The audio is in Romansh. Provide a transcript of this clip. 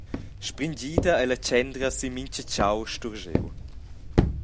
Springida ei la tschendra sin mintga tgau sturschiu.